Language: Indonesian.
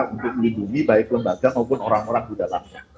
untuk melindungi baik lembaga maupun orang orang di dalamnya